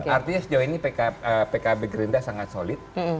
artinya sejauh ini pkb gerindra sangat solid